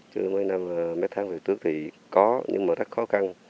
chứ mấy tháng về trước thì có nhưng mà rất khó khăn